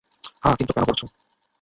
হ্যাঁ, কিন্তু কেন করছে?